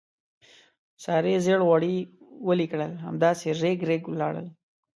سارې زېړ غوړي ویلې کړل، همداسې رېګ رېګ ولاړل.